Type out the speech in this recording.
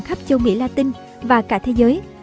khắp châu mỹ latin và cả thế giới